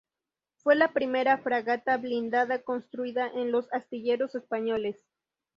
Fue la primera fragata blindada construida en los astilleros españoles.